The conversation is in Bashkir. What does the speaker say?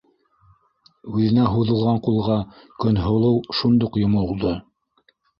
- Үҙенә һуҙылған ҡулға Көнһылыу шундуҡ йомолдо.